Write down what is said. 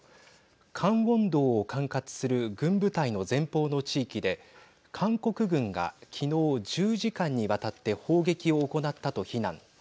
カンウォン道を管轄する軍部隊の前方の地域で韓国軍が昨日１０時間にわたって砲撃を行ったと非難。